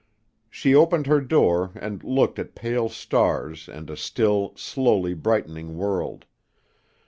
She opened her door and looked at pale stars and a still, slowly brightening world.